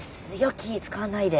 気を使わないで。